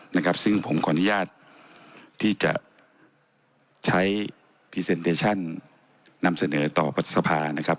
นะครับซึ่งผมขออนุญาตที่จะใช้นำเสนอต่อปฏิสภานะครับ